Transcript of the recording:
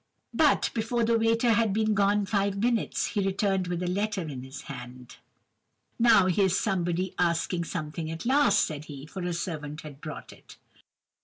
"But, before the waiter had been gone five minutes, he returned with a letter in his hand. "'Now, here's somebody asking something at last,' said he, for a servant had brought it.